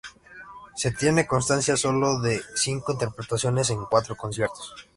Se tiene constancia sólo de cinco interpretaciones en cuatro conciertos.